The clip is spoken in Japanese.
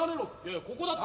いやここだって。